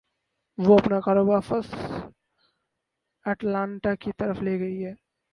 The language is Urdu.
وہ اپنا کاروبار فرسٹ اٹلانٹا کی طرف لے گئی